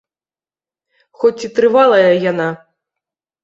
Хоць ці трывалая яна?